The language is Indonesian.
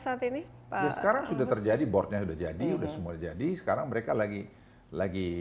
saat ini sekarang sudah terjadi boardnya sudah jadi udah semua jadi sekarang mereka lagi lagi